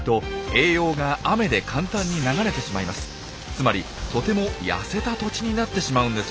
つまりとてもやせた土地になってしまうんです。